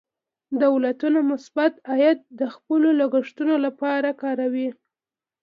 دولتونه مثبت عاید د خپلو لګښتونو لپاره کاروي.